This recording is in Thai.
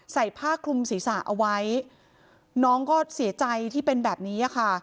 ผ้าคลุมศีรษะเอาไว้น้องก็เสียใจที่เป็นแบบนี้ค่ะ